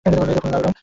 এদের ফুল লাল রঙের।